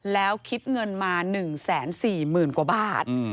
แล้วคิดเงินมา๑๔๐๐๐กว่าบาท